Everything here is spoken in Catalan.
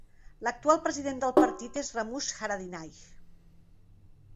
L'actual president del partit és Ramush Haradinaj.